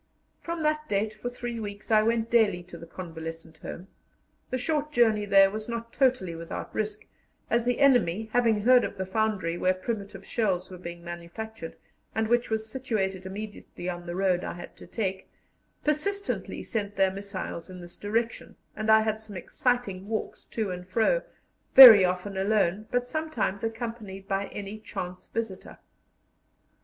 From that date for three weeks I went daily to the convalescent home. The short journey there was not totally without risk, as the enemy, having heard of the foundry where primitive shells were being manufactured, and which was situated immediately on the road I had to take, persistently sent their missiles in this direction, and I had some exciting walks to and fro, very often alone, but sometimes accompanied by any chance visitor.